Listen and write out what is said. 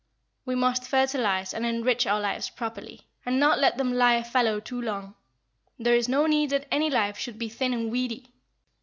We must fertilise and enrich our lives properly, and not let them lie fallow too long; there is no need that any life should be thin and weedy.